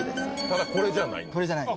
ただこれじゃない？